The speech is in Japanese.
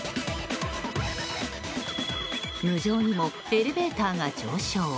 無情にもエレベーターが上昇。